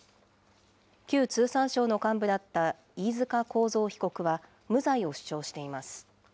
旧通産省の幹部だった飯塚幸三被告は、無罪を主張しています。